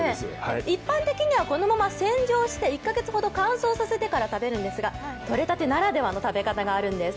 一般的にはこのまま洗浄して１か月ほど乾燥させてから食べるんですがとれたてならではの食べ方があるんです。